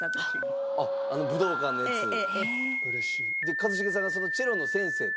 一茂さんがそのチェロの先生と。